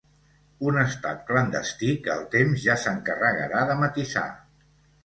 Un estat clandestí que el temps ja s'encarregarà de matisar.